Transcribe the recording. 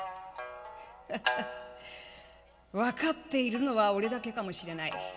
「ハハ分かっているのは俺だけかもしれない。